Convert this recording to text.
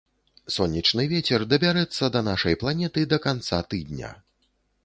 Сонечны вецер дабярэцца да нашай планеты да канца тыдня.